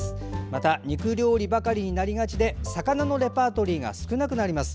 また、肉料理ばかりになりがちで魚のレパートリーが少なくなります。